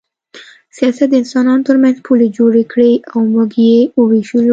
سیاست د انسانانو ترمنځ پولې جوړې کړې او موږ یې ووېشلو